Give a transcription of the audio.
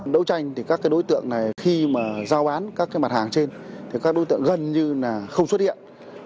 đấu tranh thì các đối tượng này khi mà giao bán các mặt hàng trên thì các đối tượng gần như là không xuất hiện